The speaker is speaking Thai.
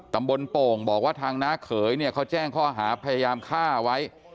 ตำบลโป่งบอกว่าทางน้าเขยเขาแจ้งข้อหาพยายามฆ่าไว้